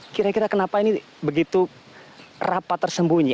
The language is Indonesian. kira kira kenapa ini begitu rapat tersembunyi